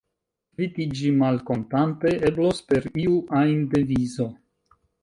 Kvitiĝi malkontante eblos per iu ajn devizo.